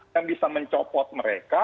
yang bisa mencopot mereka